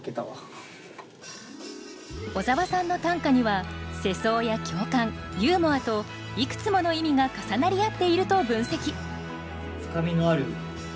小沢さんの短歌には世相や共感ユーモアといくつもの意味が重なり合っていると分析。